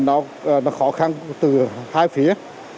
nó khó khăn từ hai phía